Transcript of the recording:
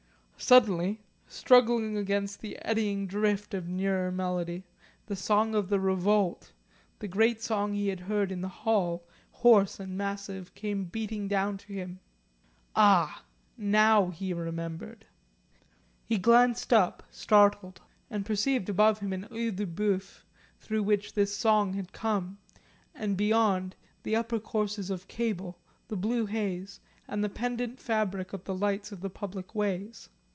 Suddenly, struggling against the eddying drift of nearer melody, the song of the Revolt, the great song he had heard in the Hall, hoarse and massive, came beating down to him. Ah! Now he remembered! He glanced up startled, and perceived above him an oeil de boeuf through which this song had come, and beyond, the upper courses of cable, the blue haze, and the pendant fabric of the lights of the public ways.